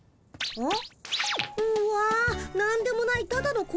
うん。